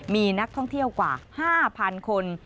มีนักท่องเที่ยวกว่า๕๐๐๐คน